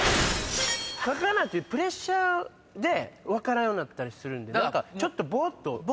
書かなっていうプレッシャーで分からなくなったりするんでちょっと。